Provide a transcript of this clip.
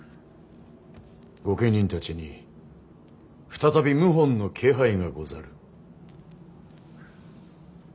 御家人たちに再び謀反の気配がござる。